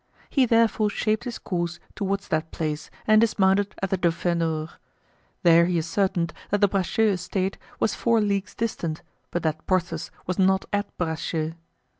He therefore shaped his course toward that place and dismounted at the Dauphin d'Or. There he ascertained that the Bracieux estate was four leagues distant, but that Porthos was not at Bracieux.